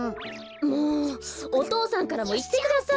もうお父さんからもいってください！